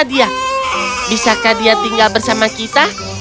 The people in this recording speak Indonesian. dia bisakah dia tinggal bersama kita